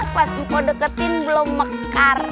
pas muka deketin belum mekar